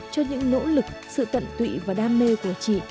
cho những nỗ lực sự tận tụy và đam mê của chị